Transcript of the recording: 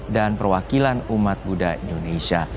dan perwakilan umat buddha indonesia